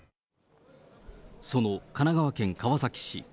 その神奈川県川崎市。